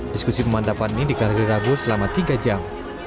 diskusi pemantapan ini dikalkir rabuh selama tiga jam